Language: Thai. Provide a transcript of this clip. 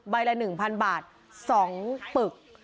ใบละหนึ่งพันบาทสองปึก